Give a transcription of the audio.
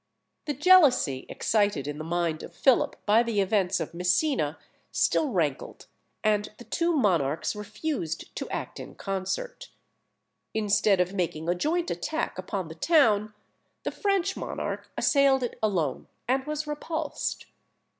The jealousy excited in the mind of Philip by the events of Messina still rankled, and the two monarchs refused to act in concert. Instead of making a joint attack upon the town, the French monarch assailed it alone, and was repulsed.